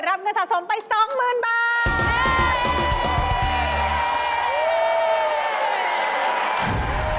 รับเงินสะสมไป๒๐๐๐บาท